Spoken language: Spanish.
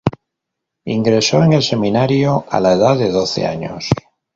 Ingresó en el Seminario a la edad de doce años.